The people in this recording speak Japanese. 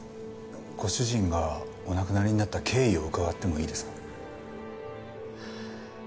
ご主人がお亡くなりになった経緯を伺ってもいいですか？